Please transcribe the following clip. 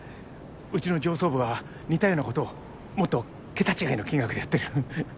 うちの上層部は似たようなことをもっと桁違いの金額でやってる。